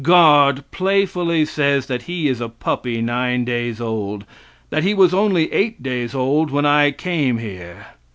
Guard playfully says that he is a puppy nine days old; that he was only eight days old when I came here.